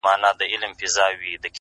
سیاه پوسي ده د مړو ورا ده!!